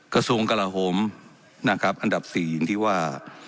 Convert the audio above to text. กระทรวงกลาโหมนะครับอันดับ๔ที่ว่า